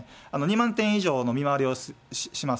２万店以上の見回りをします。